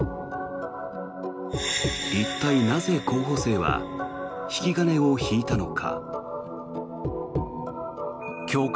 一体なぜ候補生は引き金を引いたのか。